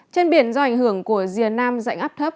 trên biển do ảnh hưởng của rìa nam dạnh áp thấp